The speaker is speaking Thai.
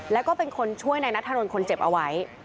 แล้วก็เป็นคนช่วยในนักธรรมคนเจ็บเอาไว้